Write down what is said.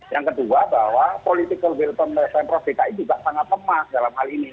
yang kedua bahwa political will from the central dki juga sangat lemah dalam hal ini